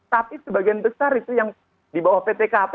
tapi sebagian besar itu yang di bawah ptkp